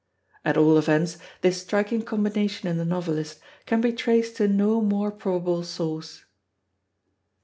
At all events, this striking combination in the novelist can be traced to no more probable source.